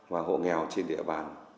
và hộ nghèo trên địa bàn